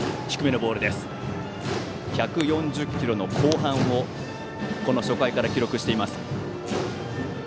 １４０キロの後半をこの初回から記録しています。